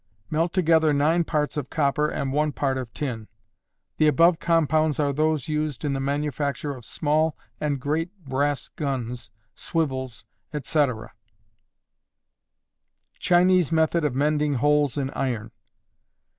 Melt together 9 parts of copper and 1 part of tin; the above compounds are those used in the manufacture of small and great brass guns, swivels, etc. _Chinese Method of Mending Holes in Iron.